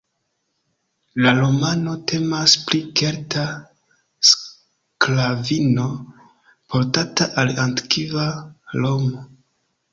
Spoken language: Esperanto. La romano temas pri kelta sklavino, portata al antikva Romo.